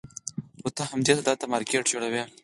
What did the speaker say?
خو ته همدې سودا ته مارکېټ جوړوې.